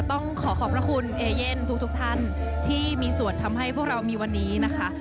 ต้องขอขอบพระคุณเอเย่นทุกท่านที่มีส่วนทำให้พวกเรามีวันนี้นะคะ